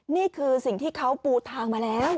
นี่คือสิ่งที่เขาปูทางมาแล้ว